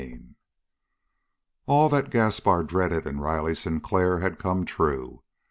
14 All that Gaspar dreaded in Riley Sinclair had come true.